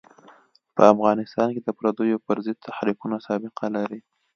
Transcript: په افغانستان کې د پرديو پر ضد تحریکونه سابقه لري.